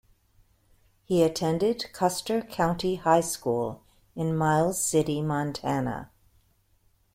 He attended Custer County High School in Miles City, Montana.